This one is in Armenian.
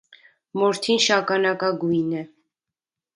Մորթին շագանակագույն է։